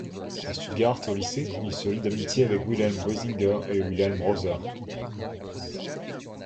À Stuttgart, au lycée, il se lie d'amitié avec Wilhelm Griesinger et Wilhelm Roser.